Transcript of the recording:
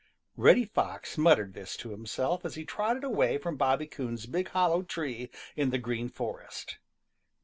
Reddy Fox muttered this to himself as he trotted away from Bobby Coon's big hollow tree in the Green Forest.